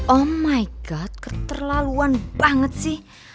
oh my god keterlaluan banget sih